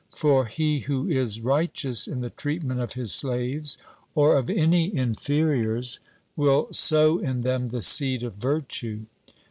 For he who is righteous in the treatment of his slaves, or of any inferiors, will sow in them the seed of virtue.